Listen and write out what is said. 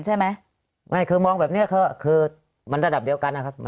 ใช่ไหมไม่คือมองแบบเนี้ยคือคือมันระดับเดียวกันนะครับ